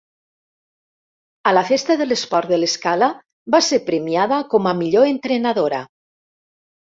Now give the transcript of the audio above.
A la festa de l'Esport de l'Escala va ser premiada com a millor entrenadora.